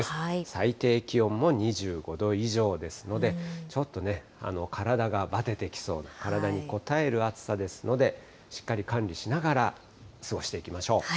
最低気温も２５度以上ですので、ちょっとね、体がばててきそうな、体にこたえる暑さですので、しっかり管理しながら過ごしていきましょう。